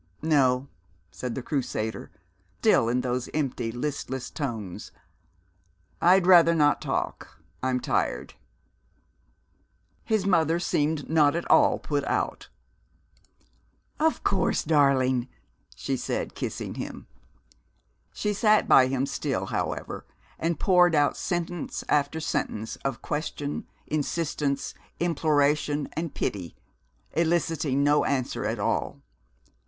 "No," said the Crusader, still in those empty, listless tones. "I'd rather not talk. I'm tired." His mother seemed not at all put out. "Of course, darling," she said, kissing him. She sat by him still, however, and poured out sentence after sentence of question, insistence, imploration, and pity, eliciting no answer at all.